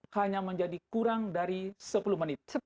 hanya menjadi kurang dari sepuluh menit